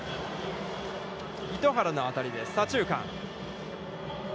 糸原の当たりです、左中間。